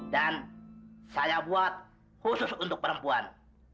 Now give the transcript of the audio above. dan saya buat khusus untuk perempuan